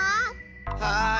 はい！